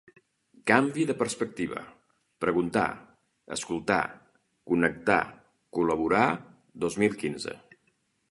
Canvi de perspectiva: preguntar, escoltar, connectar, col·laborar, dos mil quinze.